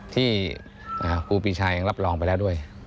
ที่ครูปีชายังรับรองไปแล้วด้วย